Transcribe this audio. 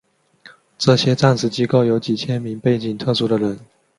这些战时机构有几千名背景特殊的人。